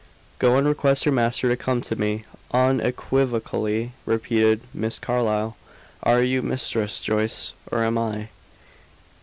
"Go and request your master to come to me," unequivocally repeated Miss Carlyle. "Are you mistress, Joyce, or am I?"